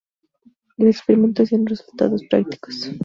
Los experimentos dieron resultados prácticos.